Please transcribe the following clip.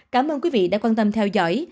cảm ơn quý vị đã quan tâm theo dõi